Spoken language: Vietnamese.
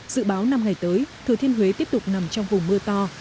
dự báo năm ngày tới thừa thiên huế tiếp tục nằm trong vùng mưa to